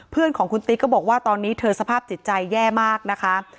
เพื่อนของคุณติ๊กก็บอกว่าตอนนี้เธอสภาพจิตใจแย่มากนะคะ